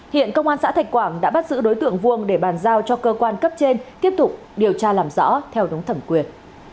hiện công an xã thạch quảng đã bắt giữ đối tượng vuông để bàn giao cho cơ quan cấp trên tiếp tục điều tra làm rõ theo đúng thẩm quyền